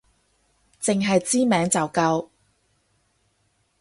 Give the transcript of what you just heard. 淨係知名就夠